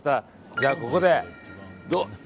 じゃあ、ここで。